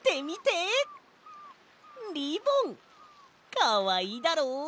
かわいいだろう？